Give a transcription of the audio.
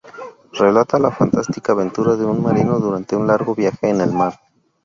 Relata la fantástica aventura de un marino durante un largo viaje en el mar.